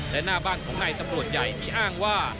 และหน้าบ้านของนายตำรวจใหญ่ที่อ้างว่า